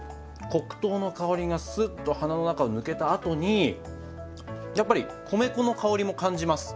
黒糖の香りがスッと鼻の中を抜けたあとにやっぱり米粉の香りも感じます。